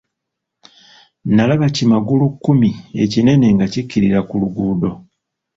Nalaba ki magulu kkumi ekinene nga kikkirira ku luguudo.